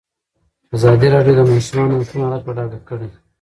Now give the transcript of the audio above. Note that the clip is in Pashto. ازادي راډیو د د ماشومانو حقونه حالت په ډاګه کړی.